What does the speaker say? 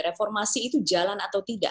reformasi itu jalan atau tidak